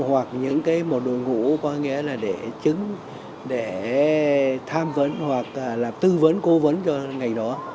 hoặc những một đội ngũ có nghĩa là để chứng để tham vấn hoặc là tư vấn cố vấn cho ngày đó